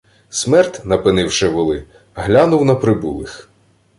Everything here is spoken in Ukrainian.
Смерд, напинивши воли, глянув на прибулих.